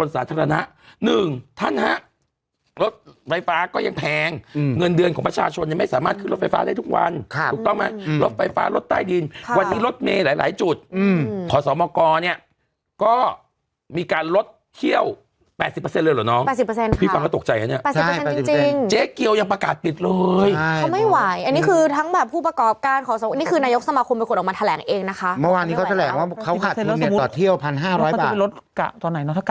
ซึ่งท่านฮะรถไฟฟ้าก็ยังแพงอืมเงินเดือนของประชาชนยังไม่สามารถขึ้นรถไฟฟ้าได้ทุกวันค่ะถูกต้องไหมอืมรถไฟฟ้ารถใต้ดินค่ะวันนี้รถเมล์หลายหลายจุดอืมขอสมกรเนี้ยก็มีการลดเที่ยวแปดสิบเปอร์เซ็นต์เลยเหรอน้องแปดสิบเปอร์เซ็นต์ค่ะพี่ฟังก็ตกใจ